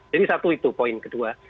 jadi satu itu poin kedua